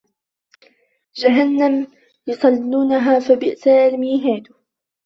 جَهَنَّمَ يَصلَونَها فَبِئسَ المِهادُ